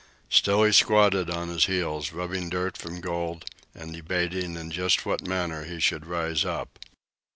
Still he squatted on his heels, rubbing dirt from gold and debating in just what manner he should rise up.